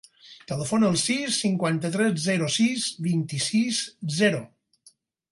Telefona al sis, cinquanta-tres, zero, sis, vint-i-sis, zero.